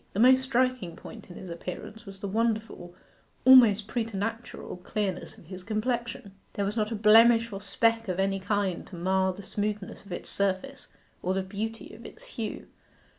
The most striking point in his appearance was the wonderful, almost preternatural, clearness of his complexion. There was not a blemish or speck of any kind to mar the smoothness of its surface or the beauty of its hue.